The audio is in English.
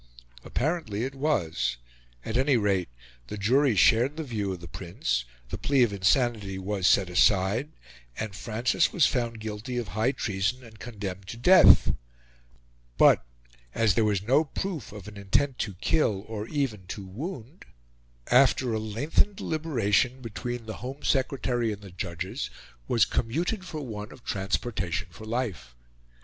Apparently it was; at any rate, the jury shared the view of the Prince, the plea of insanity was, set aside, and Francis was found guilty of high treason and condemned to death; but, as there was no proof of an intent to kill or even to wound, this sentence, after a lengthened deliberation between the Home Secretary and the Judges, was commuted for one of transportation for life.